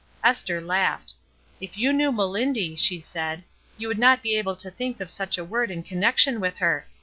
Esther laughed. "If you knew Melindy," she said, "you would not be able to think of such a word in connection with her.